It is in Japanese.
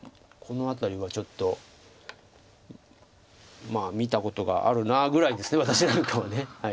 この辺りはちょっと「見たことがあるな」ぐらいです私なんかは。